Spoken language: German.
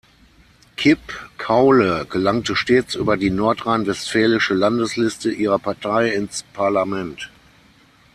Kipp-Kaule gelangte stets über die nordrhein-westfälische Landesliste ihrer Partei ins Parlament.